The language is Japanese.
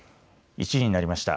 １時になりました。